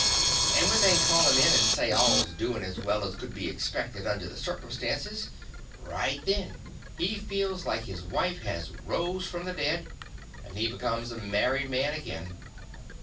And when they call him in and say all 's doin' as well as could be expected un der the circumstances, right then he feels like his wife had rose from the dead, and he becomes a married man again.